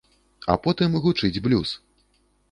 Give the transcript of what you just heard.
А потым гучыць блюз!